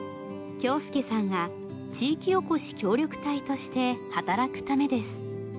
郷佑さんが地域おこし協力隊として働くためです。